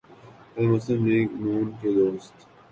کل مسلم لیگ ن کے دوست